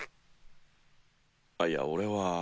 あっいや俺は。